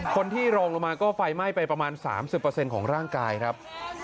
คนที่รองลงมาก็ไฟไหม้ไปประมาณ๓๐ของร่างกายครับ